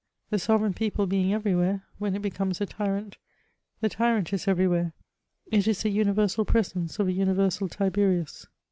The sovereigpn people being everywhere, when it becomes a tyrant, the tyrant is every where : it is the universal pres^ice of a universal Tibeiius.